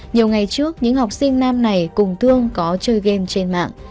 nhiều ngày trước những học sinh nam này cùng thương có chơi game trên mạng